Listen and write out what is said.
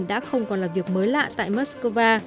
đã không còn là việc mới lạ tại moskova